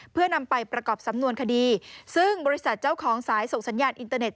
เพื่อนำไปประกอบสำนวนคดีซึ่งบริษัทเจ้าของสายส่งสัญญาณอินเตอร์เน็